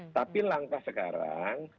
tapi langkah sekarang